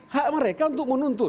hak mereka untuk menuntut